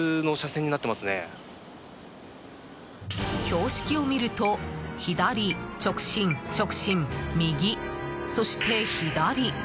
標識を見ると左、直進、直進、右、そして左。